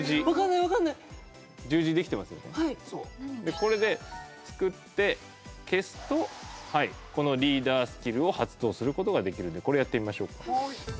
これで作って消すとこのリーダースキルを発動する事ができるのでこれやってみましょうか。